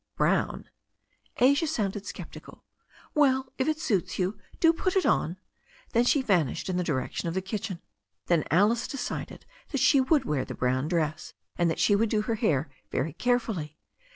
"Brown!" Asia sounded sceptical. "Well, if it suits you, do put it on." Then she vanished in the direction of the kitchen. Then Alice decided that she would wear the brown dress, and that she would do her hair very carefully.